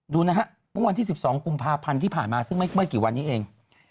ดูนะฮะเมื่อวันที่๑๒กุมภาพันธ์ที่ผ่านมาซึ่งไม่กี่วันนี้เอง